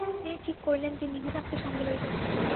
তিনি ঠিক করিলেন যে নিধিরামকে সঙ্গে লইবেন।